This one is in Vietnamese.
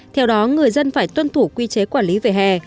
theo đó người dân phải tuân thủ quy chế quản lý về hè